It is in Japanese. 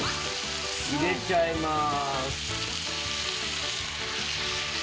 入れちゃいます。